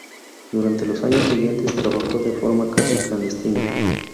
Durante los años siguientes, trabajó de forma casi clandestina.